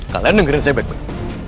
kalian dengerin saya back back